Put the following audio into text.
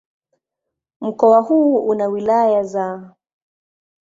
Mkoa huu una wilaya za